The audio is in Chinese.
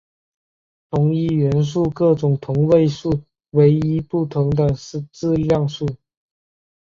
同一元素各种同位素唯一不同的是质量数。